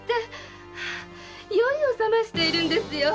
酔いを醒ましているんですよ。